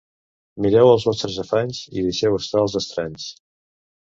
Mireu els vostres afanys i deixeu estar els estranys.